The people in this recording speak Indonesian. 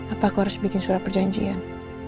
apa aku harus bikin surat perjanjian